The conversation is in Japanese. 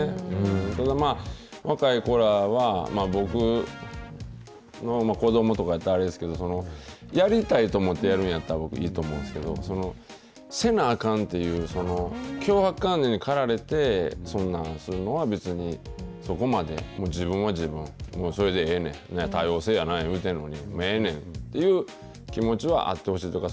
ただまあ、若い子らは僕の子どもとかやったらあれですけど、やりたいと思ってやるんやったら僕、いいと思うんですけど、せなあかんという強迫観念に駆られて、そんなんするのは、別に、そこまで、自分は自分、もうそれでええねん、みんな、もうええねんっていう気持ちはあってほしい。